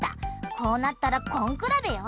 こうなったら根比べよ。